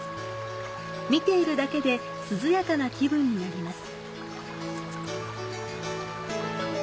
見ているだけで涼やかな気分になります。